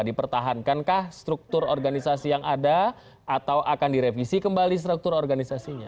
dipertahankankah struktur organisasi yang ada atau akan direvisi kembali struktur organisasinya